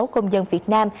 hai mươi sáu công dân việt nam